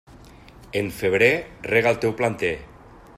En febrer rega el teu planter.